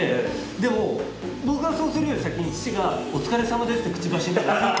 でも僕がそうするより先に父が「お疲れさまです」って口走るんです。